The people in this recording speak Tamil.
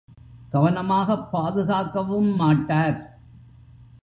கவனமாகப் பாதுகாக்கவும் மாட்டார்.